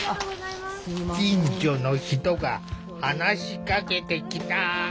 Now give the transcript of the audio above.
近所の人が話しかけてきた。